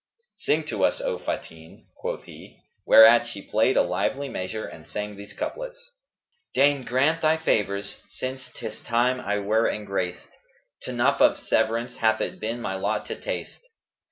"Sing to us, O Fatin," quoth he; whereat she played a lively measure and sang these couplets, "Deign grant thy favours; since 'tis time I were engraced; * Tnough of severance hath it been my lot to taste.